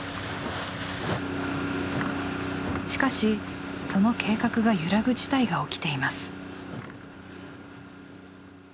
しかしその計画が揺らぐ事態が起きています。